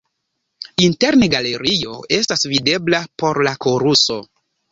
Interne galerio estas videbla por la koruso.